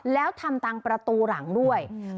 แล้วทำตามประตูหลังด้วย